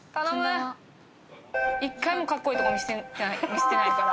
１回もかっこいいとこ見せてないから。